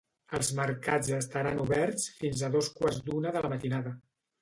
Els mercats estaran oberts fins a dos quarts d’una de la matinada.